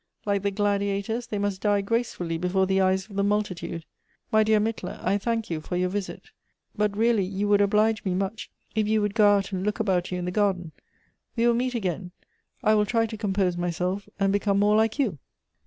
Like the gladiators, they must die gracefully before the eyes of the multitude. My dear Mittler, I thank you for your visit; but really you would oblige me much, if you would go out and look about you in the garden. We will meet again. I will try to compose myself, and become more like you."